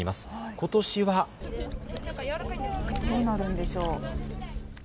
ことしはどうなるんでしょうか。